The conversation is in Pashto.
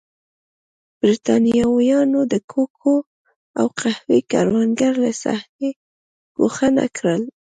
برېټانویانو د کوکو او قهوې کروندګر له صحنې ګوښه نه کړل.